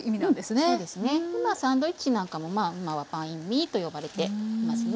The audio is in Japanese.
サンドイッチなんかも今はバインミーと呼ばれていますね。